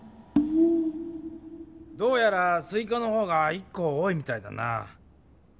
どうやらスイカの方が１こおおいみたいだなぁ。